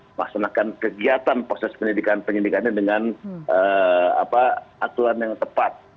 memaksanakan kegiatan proses pendidikan pendidikan ini dengan aturan yang tepat